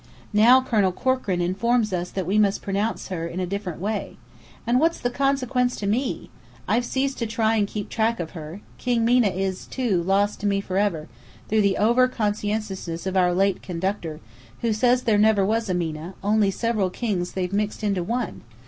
Now Colonel Corkran informs us that we must pronounce her, in a different way. And what's the consequence to me? I've ceased to try and keep track of her. King Mena, too, is lost to me forever, through the over conscientiousness of our late conductor, who says there never was a Mena, only several kings they've mixed into one.